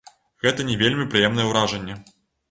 Гэта не вельмі прыемнае ўражанне.